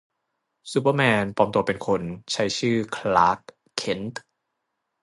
ซูเปอร์แมน ปลอมตัวเป็นคน ใช้ชื่อคลาร์ก เคนต์